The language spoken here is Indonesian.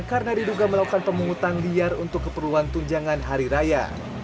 karena diduga melakukan pemungutan liar untuk keperluan tunjangan hari raya